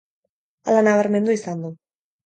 Hala nabarmendu izan du.